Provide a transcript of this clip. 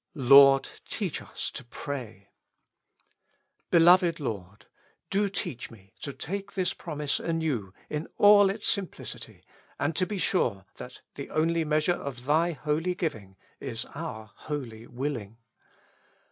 "Lord, teach us to pray." Beloved Lord ! do teach me to take this promise anew in all its simplicity, and to be sure that the only measure of Thy holy giving is our holy wiUing.